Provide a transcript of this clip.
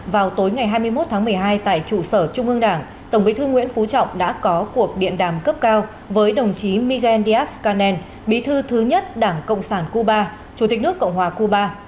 vào tối ngày hai mươi một tháng một mươi hai tại trụ sở trung ương đảng tổng bí thư nguyễn phú trọng đã có cuộc điện đàm cấp cao với đồng chí miguel díaz canel bí thư thứ nhất đảng cộng sản cuba chủ tịch nước cộng hòa cuba